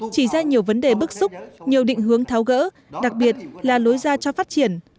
chỉ ra nhiều vấn đề bức xúc nhiều định hướng tháo gỡ đặc biệt là lối ra cho phát triển